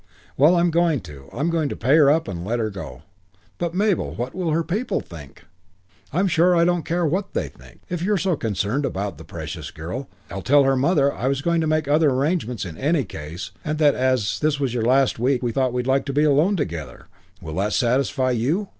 "Well, I'm going to. I'm going to pay her up and let her go." "But, Mabel what will her people think?" "I'm sure I don't care what they think. If you're so concerned about the precious girl, I'll tell her mother that I was going to make other arrangements in any case and that as this was your last week we thought we'd like to be alone together. Will that satisfy you?"